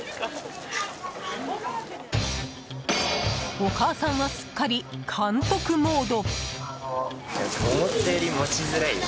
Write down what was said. お母さんはすっかり監督モード。